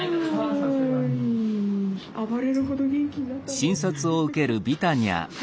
暴れるほど元気になったね。